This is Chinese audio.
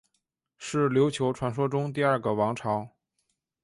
是琉球传说中第二个王朝。